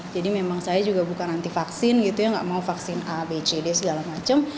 jadi memang saya juga bukan anti vaksin gitu ya gak mau vaksin a b c d segala macam